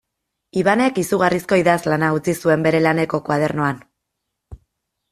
Ibanek izugarrizko idazlana utzi zuen bere laneko koadernoan.